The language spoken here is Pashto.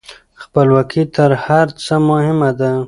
خپلواکي تر هر څه مهمه ده.